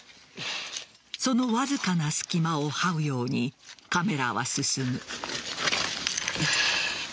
そのわずかな隙間をはうようにカメラは進む。